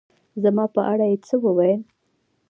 زما په اړه يې څه ووېل